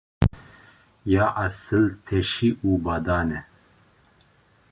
Ya esil teşî û badan e.